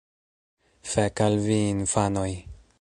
Fek' al vi infanoj!